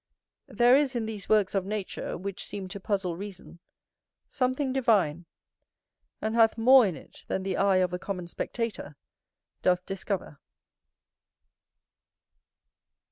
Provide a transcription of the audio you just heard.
There is in these works of nature, which seem to puzzle reason, something divine; and hath more in it than the eye of a common spectator doth discover.